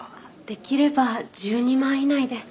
できれば１２万以内で。